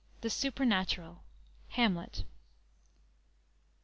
THE SUPERNATURAL. "HAMLET."